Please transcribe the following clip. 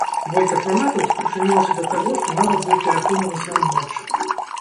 Бойка фанатаў спрычынілася да таго, што нават быў перапынены сам матч.